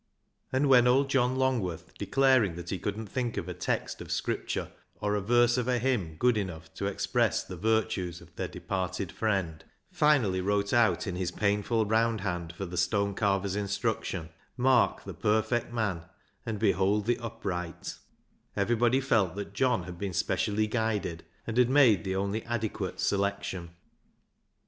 And when old John Longworth, declaring that he couldn't think of a text of Scripture, or a verse of a hymn, good enough to express the virtues of their departed friend, finally wrote out in his painful roundhand for the stone carver's instruction, " Mark the perfect man and behold the upright," everybody felt that John had been THE MEMORY OF THE JUST 211 specially guided and had made the only adequate selection.